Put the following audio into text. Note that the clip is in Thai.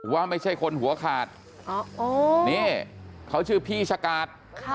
ว่าไม่ใช่คนหัวขาดนี่เขาชื่อพี่ชะกาด